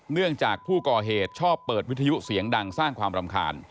เนื่องจากผู้ก่อเหตุชอบเปิดวิทยุเสียงดังสร้างความรำคาญ